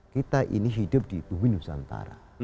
kita ini hidup di bumi nusantara